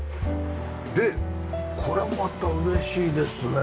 でこれまた嬉しいですね。